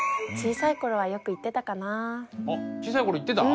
小さい頃言ってた？